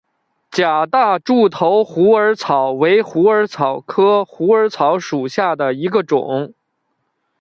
假大柱头虎耳草为虎耳草科虎耳草属下的一个种。